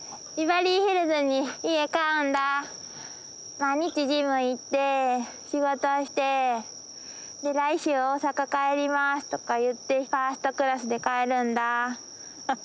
毎日ジム行って仕事して「来週大阪帰ります」とか言ってファーストクラスで帰るんだ。